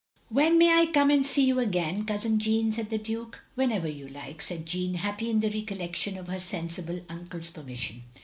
" When may I come and see you again, Cousin Jeanne?" said the Duke. "Whenever you like," said Jeanne, happy in the recollection of her sensible uncle's permission.